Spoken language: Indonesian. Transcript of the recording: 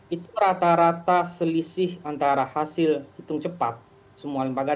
itu rata rata selisih antara hasil hitung cepat semua lembaga